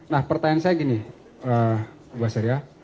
nah pertanyaan saya gini bu basar ya